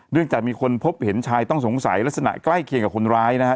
จากมีคนพบเห็นชายต้องสงสัยลักษณะใกล้เคียงกับคนร้ายนะฮะ